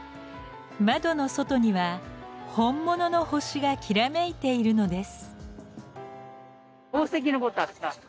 窓の外には本物の星がきらめいているのです。